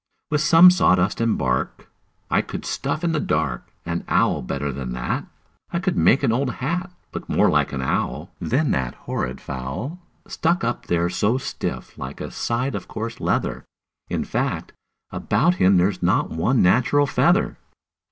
"With some sawdust and bark I could stuff in the dark An owl better than that. I could make an old hat Look more like an owl Than that horrid fowl, Stuck up there so stiff like a side of coarse leather. In fact, about him there's not one natural feather."